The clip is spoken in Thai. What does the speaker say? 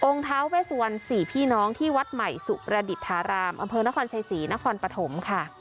ท้าเวสวัน๔พี่น้องที่วัดใหม่สุประดิษฐารามอำเภอนครชัยศรีนครปฐมค่ะ